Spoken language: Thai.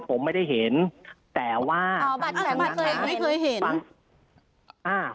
ผมไม่ได้เห็นแต่ว่าอ่าบัตรแข็งบัตรเคยเคยเห็น